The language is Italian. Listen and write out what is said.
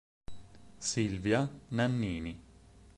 Silvia Nannini